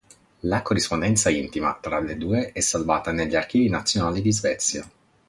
La corrispondenza intima tra le due è salvata negli archivi nazionali di Svezia.